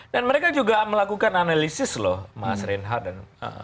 dan mereka juga melakukan analisis loh mas reinhardt